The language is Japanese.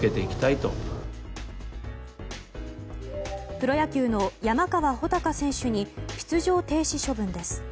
プロ野球の山川穂高選手に出場停止処分です。